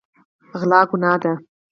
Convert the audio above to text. غلا ګناه ده.